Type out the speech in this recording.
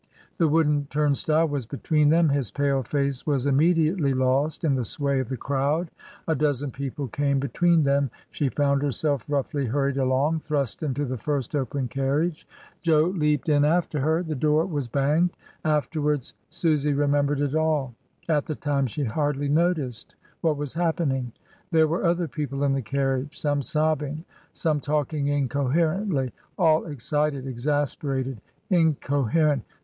The wooden turnstile was between them, his pale face was immediately lost in the sway of the crowd, a dozen people came between them; she found her self roughly hurried along, thrust into the first open carriage. Jo leapt in after her; the door was banged. Afterwards Susy remembered it all, at the time she hardly noticed what was happening. There were other people in the carriage — some sobbing, some talking incoherently, all excited, exasperated, incoherent.